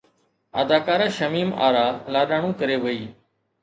اداڪاره شميم آرا لاڏاڻو ڪري وئي